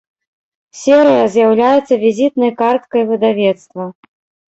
Серыя з'яўляецца візітнай карткай выдавецтва.